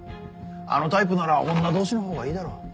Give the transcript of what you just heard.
あのタイプなら女同士のほうがいいだろう。